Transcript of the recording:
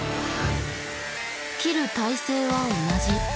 切る体勢は同じ。